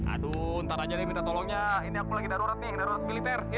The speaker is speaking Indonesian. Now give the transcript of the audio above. aduh ntar aja deh minta tolongnya ini aku lagi darurat nih darurat militer